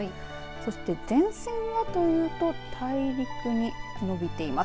そして前線はというと大陸にのびています。